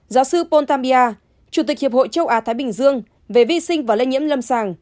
giáo sư poltam bia chủ tịch hiệp hội châu á thái bình dương về vi sinh và lây nhiễm lâm sàng